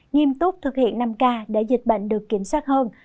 nghiêm túc thực hiện năm k để dịch bệnh được kiểm soát hơn